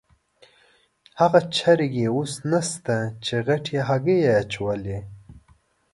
هغه چرګې اوس نشته چې غټې هګۍ یې اچولې.